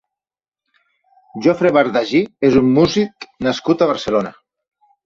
Jofre Bardagí és un músic nascut a Barcelona.